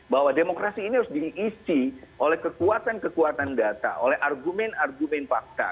bahwa demokrasi ini harus diisi oleh kekuatan kekuatan data oleh argumen argumen fakta